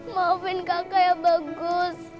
maafin kakak ya bagus